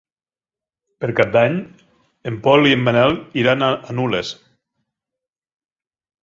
Per Cap d'Any en Pol i en Manel iran a Nulles.